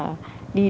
và đại dịch